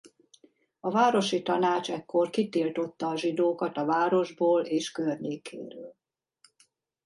A városi tanács ekkor kitiltotta a zsidókat a városból és környékéről.